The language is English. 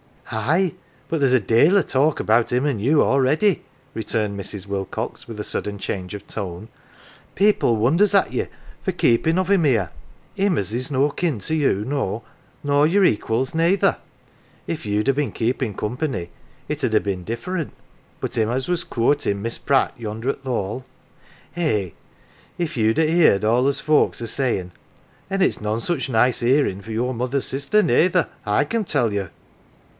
" Aye, but there's a dale o' talk about him an' you already." returned Mrs. Wilcox with a sudden change of tone. "People wonders at ye for keeping of him here him as is no kin to you, no, nor your equals nayther. If you'd ha' been keepin' company it 'ud ha' been different, but him as was coortin' Miss Pratt yonder at th' Hall ! Eh, if you'd ha' heerd all as folks are sayin' an' it's none such nice hearin' for your mother's sister nayther, I can tell you."